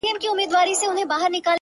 خدايه ته لوی يې ـ